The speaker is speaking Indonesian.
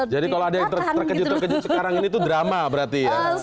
jadi kalau ada yang terkejut terkejut sekarang ini itu drama berarti ya